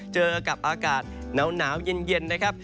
เจอกับอากาศหนาวเย็นนะครับ